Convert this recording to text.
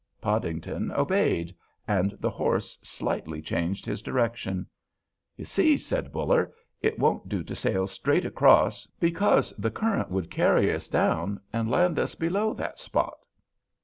Podington obeyed, and the horse slightly changed his direction. "You see," said Buller, "it won't do to sail straight across, because the current would carry us down and land us below that spot."